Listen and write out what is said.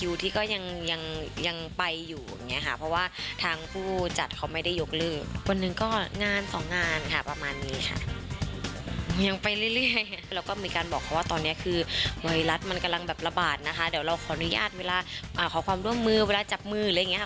ไวรัสมันกำลังแบบระบาดนะคะเดี๋ยวเราขออนุญาตเวลาขอความร่วมมือเวลาจับมืออะไรอย่างนี้ค่ะ